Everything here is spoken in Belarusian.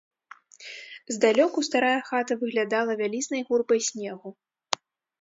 Здалёку старая хата выглядала вялізнай гурбай снегу.